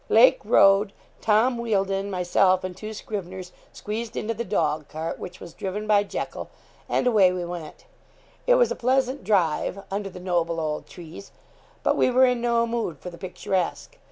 Lake rode; Tom Wealdon, myself, and two scriveners, squeezed into the dog cart, which was driven by Jekyl, and away we went. It was a pleasant drive, under the noble old trees. But we were in no mood for the picturesque.